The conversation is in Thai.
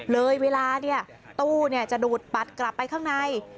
เลยเวลาตู้จะดูดปัดกลับไปข้างใน